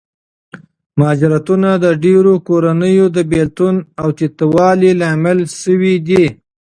مهاجرتونه د ډېرو کورنیو د بېلتون او تیتوالي لامل شوي دي.